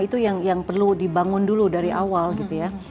itu yang perlu dibangun dulu dari awal gitu ya